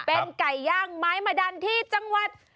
เป็นไก่ย่างไม้มะดันที่จังหวัด